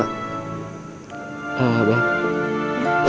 nih jangan jangan